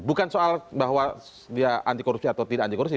bukan soal bahwa dia anti korupsi atau tidak anti korupsi